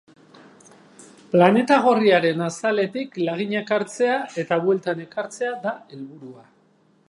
Planeta gorriaren azaletik laginak hartzea eta bueltan ekartzea da helburua.